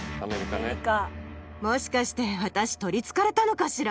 もしかして私取りつかれたのかしら？